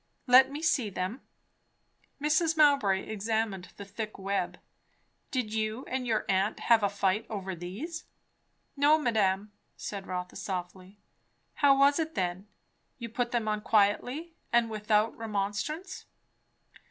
"Let me see them." Mrs. Mowbray examined the thick web. "Did you and your aunt have a fight over these?" "No, madame," said Rotha softly. "How was it then? You put them on quietly, and without remonstrance?"